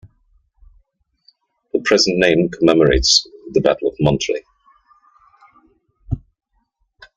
The present name commemorates the Battle of Monterrey.